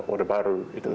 udah baru itu